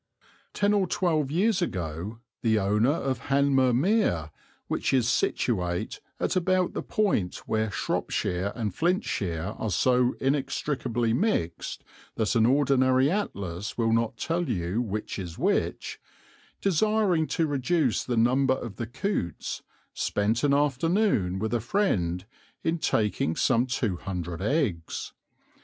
Ten or twelve years ago the owner of Hanmer Mere, which is situate at about the point where Shropshire and Flintshire are so inextricably mixed that an ordinary atlas will not tell you which is which, desiring to reduce the number of the coots, spent an afternoon with a friend in taking some two hundred eggs.